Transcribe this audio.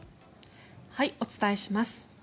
お伝えします。